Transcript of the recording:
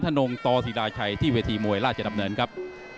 นงตศิราชัยที่เวทีมวยราชดำเนินครับ